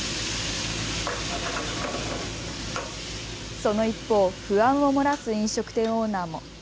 その一方、不安を漏らす飲食店オーナーも。